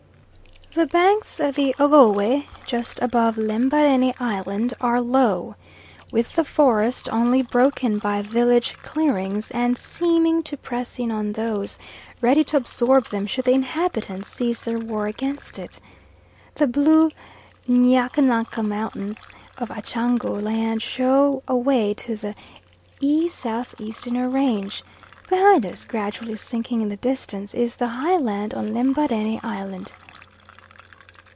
The banks of the Ogowe just above Lembarene Island are low; with the forest only broken by village clearings and seeming to press in on those, ready to absorb them should the inhabitants cease their war against it. The blue Ntyankala mountains of Achango land show away to the E.S.E. in a range. Behind us, gradually sinking in the distance, is the high land on Lembarene Island.